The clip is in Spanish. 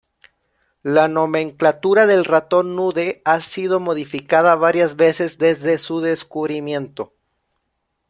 La nomenclatura del ratón nude ha sido modificada varias veces desde su descubrimiento.